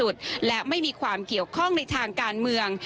ที่ความเกี่ยวคล่องในทางการเมือง